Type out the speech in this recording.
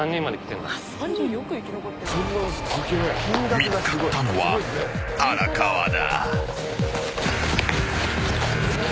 ［見つかったのは荒川だ］